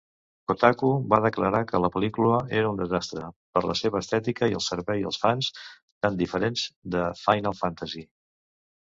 Kotaku va declarar que la pel·lícula era "un desastre", per la seva estètica i el servei als fans, tan diferents de Final Fantasy.